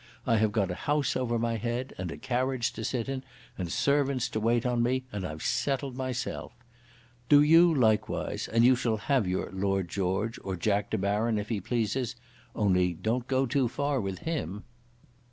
I have got a house over my head, and a carriage to sit in, and servants to wait on me, and I've settled myself. Do you do likewise, and you shall have your Lord George, or Jack De Baron, if he pleases; only don't go too far with him."